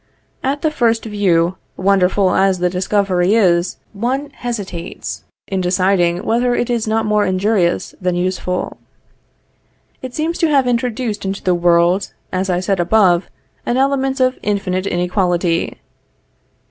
At the first view, wonderful as the discovery is, one hesitates in deciding whether it is not more injurious than useful. It seems to have introduced into the world, as I said above, an element of infinite inequality.